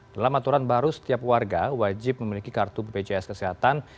dalam aturan baru setiap warga wajib memiliki kartu bpjs kesehatan